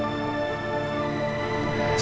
sampai jumpa lagi